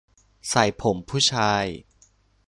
ใส่ผมผู้ชาย